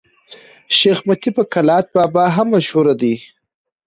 شېخ متي په کلات بابا هم مشهور دئ.